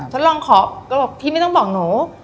ทดลองขอก็บอกพี่ไม่ต้องบอกหนู